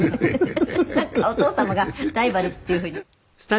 「なんかお父様がライバルっていう風に」